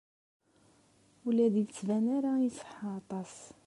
Ur la d-yettban ara iṣeḥḥa aṭas.